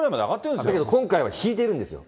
だけど今回は引いてるんですよ。